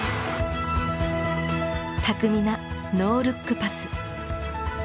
巧みなノールックパス。